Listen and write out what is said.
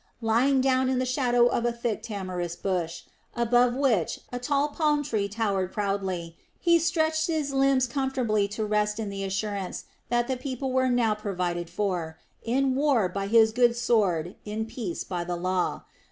Lying down in the shadow of a thick tamarisk bush, above which a tall palm towered proudly, he stretched his limbs comfortably to rest in the assurance that the people were now provided for, in war by his good sword, in peace by the Law.